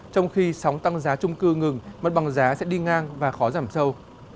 trong khi sóng tăng giá trung cư ngừng mặt bằng giá sẽ đi ngang và khó giảm sâu